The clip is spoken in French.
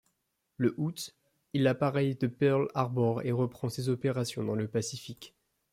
Le août, il appareille de Pearl Harbor et reprend ses opérations dans le Pacifique.